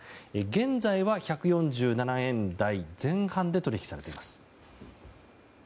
現在は、１４７円台前半で取引されています。